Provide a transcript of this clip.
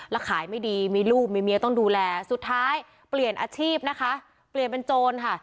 แล้วขายไม่ดีมีลูกมีเมียต้องดูแลสุดท้ายเปลี่ยนอาชีพนะคะเปลี่ยนเป็นโจรค่ะ